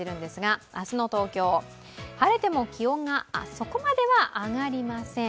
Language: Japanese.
明日の東京、晴れても気温が、そこまでは上がりません。